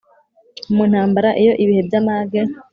Mu ntambara, iyo ibihe by’amage